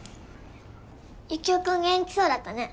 ユキオ君元気そうだったね。